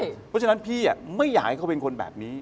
เพราะฉะนั้นพี่ไม่อยากให้เขาเป็นคนแบบนี้